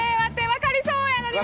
分かりそうやのに。